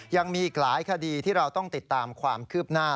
ยังมีอีกหลายคดีที่เราต้องติดตามความคืบหน้า